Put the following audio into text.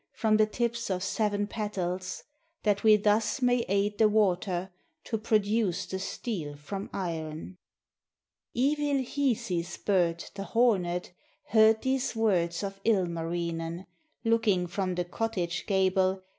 From the tips of seven petals, That we thus may aid the water To produce the steel from iron." Evil Hisi's bird, the hornet. Heard these words of Ilmarinen, Looking from the cottage gable.